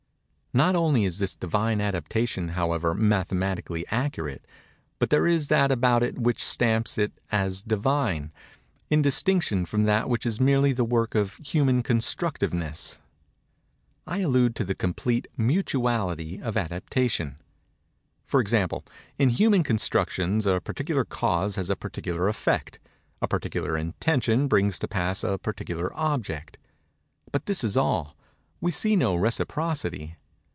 Not only is this Divine adaptation, however, mathematically accurate, but there is that about it which stamps it as divine, in distinction from that which is merely the work of human constructiveness. I allude to the complete mutuality of adaptation. For example; in human constructions a particular cause has a particular effect; a particular intention brings to pass a particular object; but this is all; we see no reciprocity.